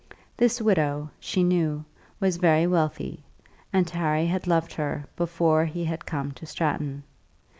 This widow, she knew, was very wealthy, and Harry had loved her before he had come to Stratton.